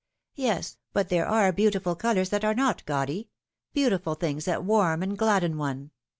" Yes, but there are beautiful colours that are not gaudy beautiful things that warm and gladden one.